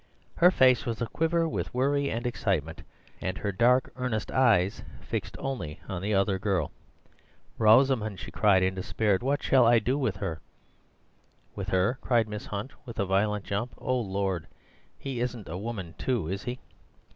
Her face was aquiver with worry and excitement, and her dark earnest eyes fixed only on the other girl. "Rosamund," she cried in despair, "what shall I do with her?" "With her?" cried Miss Hunt, with a violent jump. "O lord, he isn't a woman too, is he?"